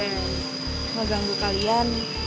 nggak ganggu kalian